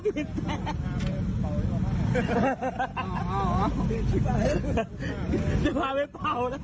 อ๋ออ๋อพี่ตำรวจจะมาไว้เผ่าแล้ว